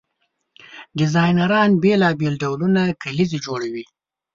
ډیزاینران بیلابیل ډولونه کلیزې جوړوي.